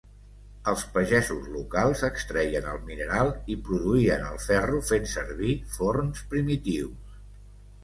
Els pagesos locals extreien el mineral i produïen el ferro fent servir forns primitius.